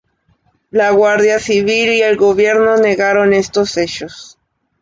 La Guardia Civil y el gobierno negaron estos hechos.